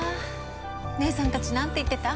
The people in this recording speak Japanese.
姉さんたち何て言ってた？